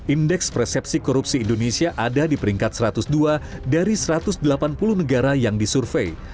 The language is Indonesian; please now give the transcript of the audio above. indeks persepsi korupsi indonesia ada di peringkat satu ratus dua dari satu ratus delapan puluh negara yang disurvey